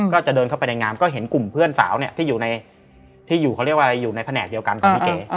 ก็จะเดินเข้าไปในงามก็เห็นกลุ่มเพื่อนสาวเนี่ยที่อยู่เขาเรียกว่าอะไรอยู่ในแผนกเดียวกันของพี่เก๋